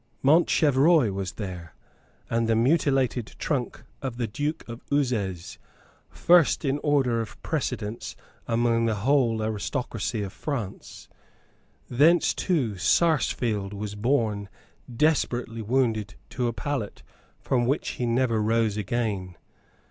Montchevreuil was there, and the mutilated trunk of the Duke of Uzes, first in order of precedence among the whole aristocracy of France. Thence too Sarsfield was borne desperately wounded to a pallet from which he never rose again.